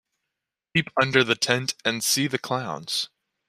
Peep under the tent and see the clowns.